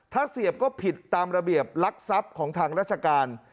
ถ้าเสียบก็ผิดตามระเบียบลักทรัพย์ของทางราชการ